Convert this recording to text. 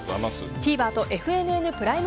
ＴＶｅｒとＦＮＮプライム